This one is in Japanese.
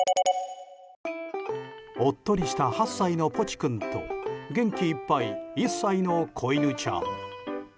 おっとりした８歳のポチ君と元気いっぱい１歳の子犬ちゃん。